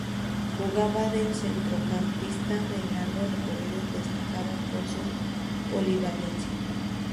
Jugaba de centrocampista de largo recorrido y destacaba por su polivalencia.